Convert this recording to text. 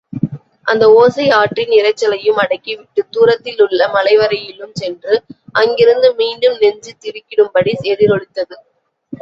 அந்த ஓசை ஆற்றின் இரைச்சலையும் அடக்கி விட்டுத் தூரத்திலுள்ள மலைவரையிலும் சென்று, அங்கிருந்து மீண்டும் நெஞ்சு திடுக்கிடும்படி எதிரொலித்தது.